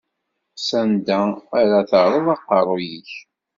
S anda ara terreḍ aqerru-k?